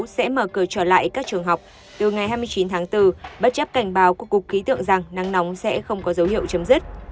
sẽ mở cửa trở lại các trường học từ ngày hai mươi chín tháng bốn bất chấp cảnh báo của cục ký tượng rằng nắng nóng sẽ không có dấu hiệu chấm dứt